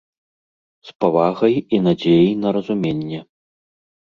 З павагай і надзеяй на разуменне.